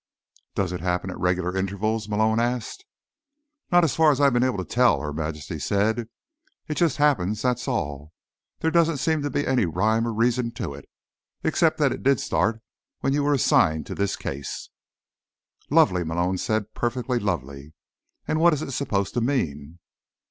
"Does it happen at regular intervals?" Malone asked. "Not as far as I've been able to tell," Her Majesty said. "It just happens, that's all. There doesn't seem to be any rhyme or reason to it. Except that it did start when you were assigned to this case." "Lovely," Malone said. "Perfectly lovely. And what is it supposed to mean?"